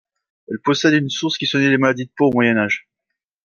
Elle possède une source qui soignait les maladies de peau au Moyen-Âge.